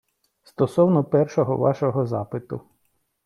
Стосовно першого вашого запиту.